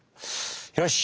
よし！